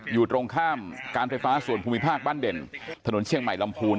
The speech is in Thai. อยู่ตรงข้ามการไฟฟ้าส่วนภูมิภาคบ้านเด่นถนนเชียงใหม่ลำพูน